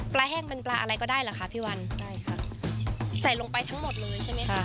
แห้งเป็นปลาอะไรก็ได้เหรอคะพี่วันได้ค่ะใส่ลงไปทั้งหมดเลยใช่ไหมคะ